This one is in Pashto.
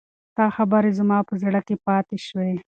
ستا خبرې زما په زړه کې پاتې شوې.